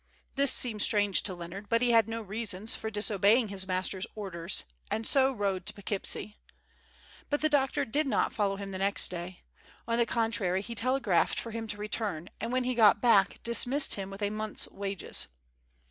This seemed strange to Leonard, but he had no reasons for disobeying his master's orders, and so rode to Poughkeepsie. But the doctor did not follow him the next day; on the contrary he telegraphed for him to return, and when he got back dismissed him with a month's wages.